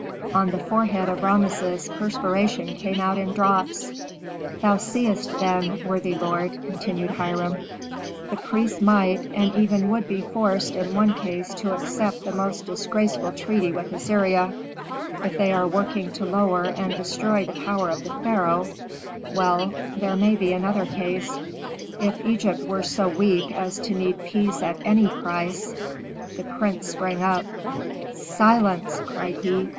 On the forehead of Rameses perspiration came out in drops. "Thou seest then, worthy lord," continued Hiram, "the priests might and even would be forced in one case to accept the most disgraceful treaty with Assyria: if they are working to lower and destroy the power of the pharaoh well, there may be another case: if Egypt were so weak as to need peace at any price " The prince sprang up. "Silence!" cried he.